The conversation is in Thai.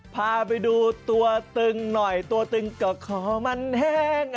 พาไปดูตัวตึงหน่อยตัวตึงก็ขอมันแห้ง